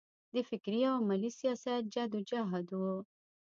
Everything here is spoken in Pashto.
د فکري او عملي سیاست جدوجهد و.